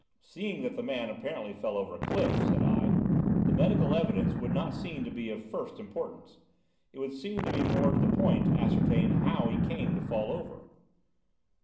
"Seeing that the man apparently fell over a cliff," said I, "the medical evidence would not seem to be of first importance. It would seem to be more to the point to ascertain how he came to fall over."